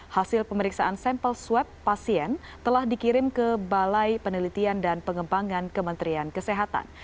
hasil pemeriksaan sampel swab pasien telah dikirim ke balai penelitian dan pengembangan kementerian kesehatan